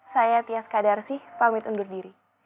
saya tias kadarsih pamit undur diri